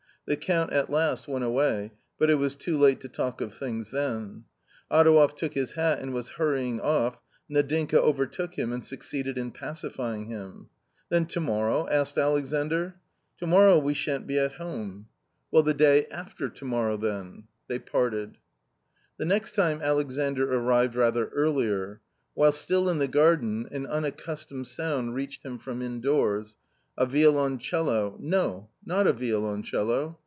The Count at last went away, but it was too late to talk of things then. Adouev took his hat and was hurrying off. Nadinka overtook him, and succeeded in pacifying him. " Then to morrow?" asked Alexandr. " To morrow we shan't be at home." 106 A COMMON STORY " Well, the day after to morrow then." They parted. The next time Alexandr arrived rather earlier. While still in the garden an unaccustomed sound reached him from indoors — a violoncello — no, not a violoncello.